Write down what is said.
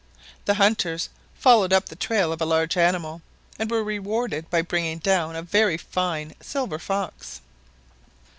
The hunters followed up the trail of a large animal, and were rewarded by bringing down a very fine silver fox.